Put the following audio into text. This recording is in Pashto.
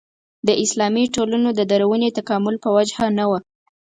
د اسلامي ټولنو د دروني تکامل په وجه نه وه.